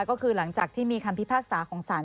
ก็คือหลังจากที่มีคำพิพากษาของศาล